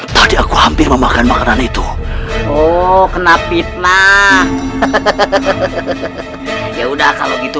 tadi aku hampir memakan makanan itu oh kena fitnah hahaha ya udah kalau gitu